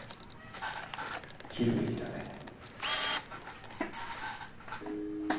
切るべきだね。